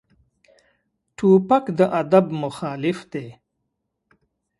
توپک د ادب مخالف دی.